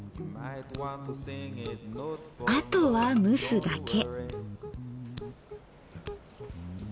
あとは蒸すだけ。